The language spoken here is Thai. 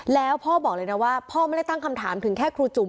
แล้วพ่อบอกเลยนะว่าพ่อไม่ได้ตั้งคำถามถึงแค่ครูจุ๋ม